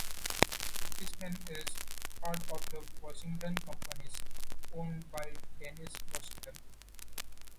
Seaspan is part of the Washington Companies, owned by Dennis Washington.